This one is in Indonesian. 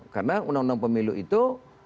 karena undang undang pemilu itu